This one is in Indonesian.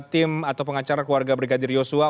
tim atau pengacara keluarga brigadir yosua